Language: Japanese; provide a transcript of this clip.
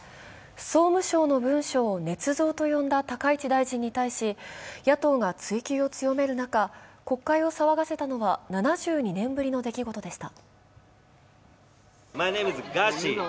総務省の文書をねつ造と呼んだ高市大臣に対し、野党が追及を強める中国会を騒がせたのは７２年ぶりの出来事でした。